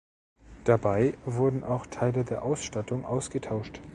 Dabei wurden auch Teile der Ausstattung ausgetauscht.